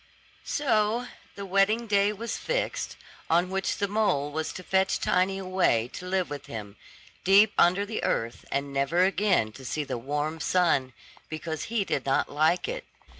So the wedding day was fixed, on which the mole was to fetch Tiny away to live with him, deep under the earth, and never again to see the warm sun, because he did not like it.